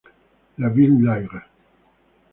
La Vieille-Lyre